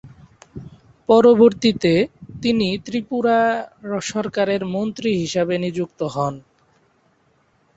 পরবর্তীতে, তিনি ত্রিপুরা সরকারের মন্ত্রী হিসেবে নিযুক্ত হন।